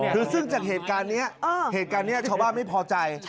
อ๋อคือซึ่งจากเหตุการณ์นี้ชาวบ้านไม่พอใจ